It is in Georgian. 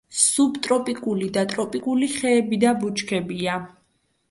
სუბტროპიკული და ტროპიკული ხეები და ბუჩქებია.